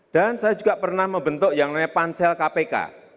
dan saya juga pernah membentuk yang namanya pansel kpk